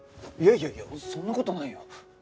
いやいやいやそんな事ないよ。